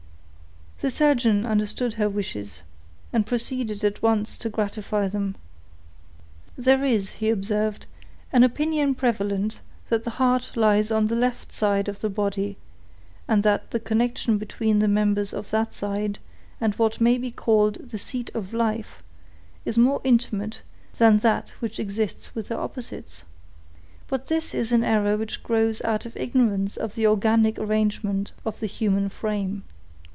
The surgeon understood her wishes, and proceeded at once to gratify them. "There is," he observed, "an opinion prevalent, that the heart lies on the left side of the body, and that the connection between the members of that side and what may be called the seat of life is more intimate than that which exists with their opposites. But this is an error which grows out of an ignorance of the organic arrangement of the human frame.